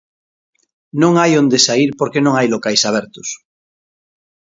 Non hai onde saír porque non hai locais abertos.